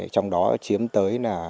trong đó chiếm tới